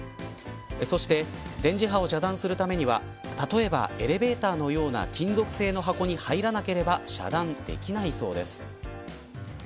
そして電磁波を遮断するためには例えばエレベーターのような金属製の箱に入らなければ遮断できないそうです。